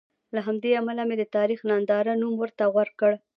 له همدې امله مې د تاریخ ننداره نوم ورته غوره کړ.